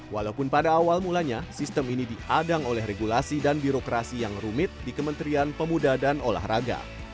walaupun pada awal mulanya sistem ini diadang oleh regulasi dan birokrasi yang rumit di kementerian pemuda dan olahraga